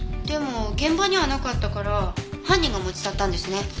でも現場にはなかったから犯人が持ち去ったんですね。